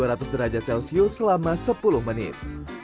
lalu diaduk dengan suhu dua ratus derajat celcius selama sepuluh menit